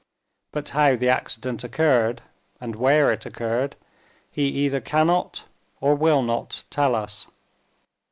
But how the accident occurred, and where it occurred, he either cannot or will not tell us.